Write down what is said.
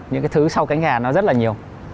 những cái thứ sau cánh hà nó rất là nhiều